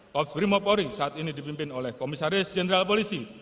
kos brimopori saat ini dipimpin oleh komisaris jenderal polisi